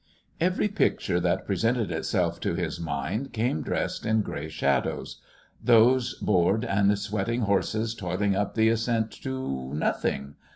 Every picture that presented itself to his mind came dressed in grey shadows: those bored and sweating horses toiling up the ascent to nothing!